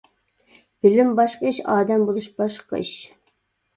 بىلىم باشقا ئىش، ئادەم بولۇش باشقا ئىش.